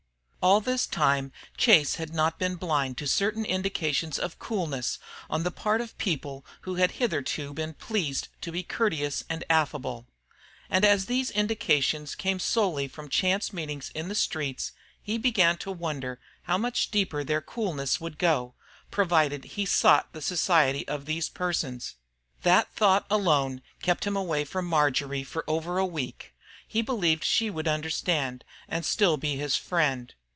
All this time Chase had not been blind to certain indications of coolness on the part of people who had hitherto been pleased to be courteous and affable And as these indications had come solely from chance meetings in the streets, he began to wonder how much deeper this coldness would go, provided he sought the society of these persons. That thought alone kept him away from Marjory for over a week. He believed she would understand, and still be his friend.